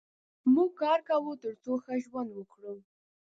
موږ کار کوو تر څو ښه ژوند وکړو.